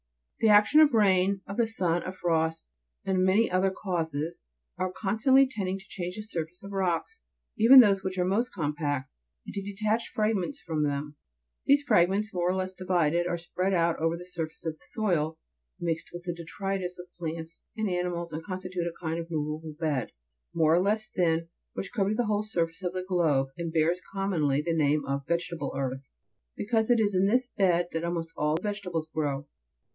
15. The action of rain, of the sun, of frost, and many other causes are constantly tending to change the surface of rocks, even those which are most compact, and to detach fragments from them ; these fragments, more or less divided, are spread out over the sur face of the soil, mixed with the detri'tus* of plants and animals, and constitute a kind of movable bed, more or less thin, which covers the whole surface of the globe, and bears, commonly, the name of vegetable earth, because it is in this bed that almost all vegetables grow.